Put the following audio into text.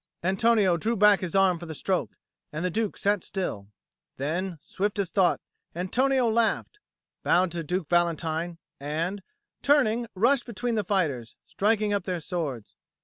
Antonio drew back his arm for the stroke; and the Duke sat still; then, swift as thought, Antonio laughed, bowed to Duke Valentine and, turning, rushed between the fighters, striking up their swords.